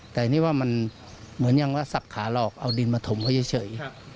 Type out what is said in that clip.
แต่นี่ว่ามันเหมือนยังว่าสับขาหลอกเอาดินมาถมเขาเฉย